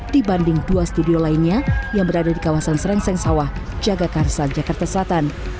dibanding dua studio lainnya yang berada di kawasan serengseng sawah jagakarsa jakarta selatan